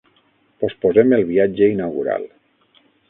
Posposem el viatge inaugural.